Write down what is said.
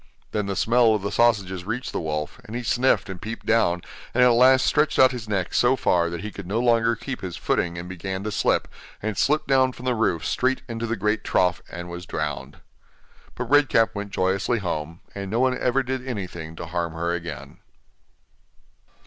Then the smell of the sausages reached the wolf, and he sniffed and peeped down, and at last stretched out his neck so far that he could no longer keep his footing and began to slip, and slipped down from the roof straight into the great trough, and was drowned. But Red Cap went joyously home, and no one ever did anything to harm her again.